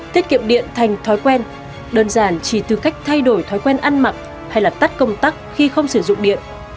tiết kiệm điện thành thói quen đơn giản chỉ từ cách thay đổi thói quen ăn mặc hay là tắt công tắc khi không sử dụng điện